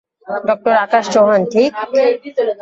Doctor Akash Chauhan, ঠিক?